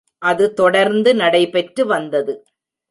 அது தொடர்ந்து நடைபெற்று வந்தது.